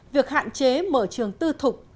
việc hạn chế mở trường tư thục